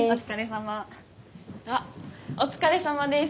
あっお疲れさまです。